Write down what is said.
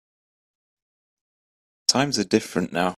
Times are different now.